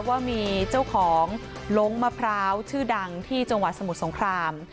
ว่ามีเจ้าของลงมะพร้าวชื่อดังที่จังหวัดสมุทรสงคราม